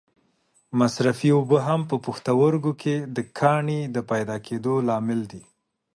مصرفې اوبه هم په پښتورګو کې د کاڼې د پیدا کېدو لامل دي.